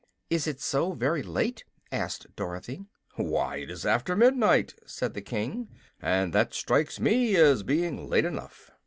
"Is it so very late?" asked Dorothy. "Why, it is after midnight," said the King, "and that strikes me as being late enough.